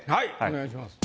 お願いします。